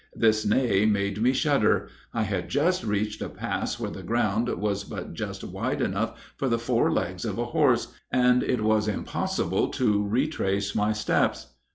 This neigh made me shudder. I had just reached a pass where the ground was but just wide enough for the four legs of a horse, and it was impossible to retrace my steps."